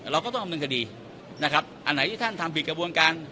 เราก็ต้องดำเนินคดีนะครับอันไหนที่ท่านทำผิดกระบวนการ